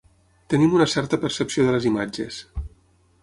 Tenim una certa percepció de les imatges.